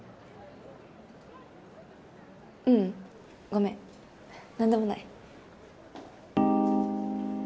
ううんごめん何でもない